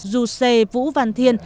giuse vũ văn thiên